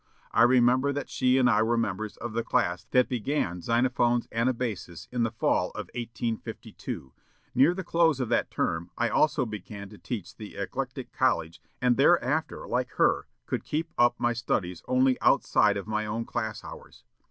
I remember that she and I were members of the class that began Xenophon's 'Anabasis' in the fall of 1852. Near the close of that term I also began to teach in the Eclectic [College], and, thereafter, like her, could keep up my studies only outside of my own class hours.